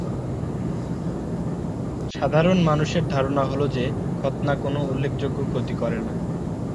সাধারণ-মানুষের ধারণা হল যে খৎনা কোন উল্লেখযোগ্য ক্ষতি করেনা।